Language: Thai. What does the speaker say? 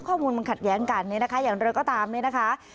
ข้อมูลมันขัดแย้งกันเนี่ยนะคะอย่างไรก็ตามเนี่ยนะคะ